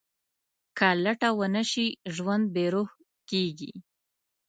که لټه ونه شي، ژوند بېروح کېږي.